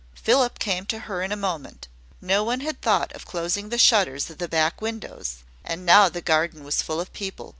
Philip came to her in a moment. No one had thought of closing the shutters of the back windows; and now the garden was full of people.